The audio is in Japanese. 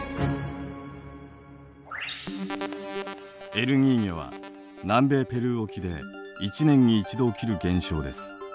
エルニーニョは南米ペルー沖で１年に１度起きる現象です。